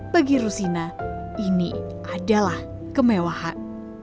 bagi rusina ini adalah kemewahan